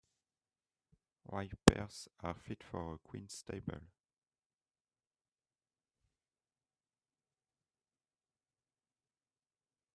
Ripe pears are fit for a queen's table.